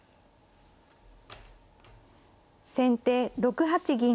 先手６八銀。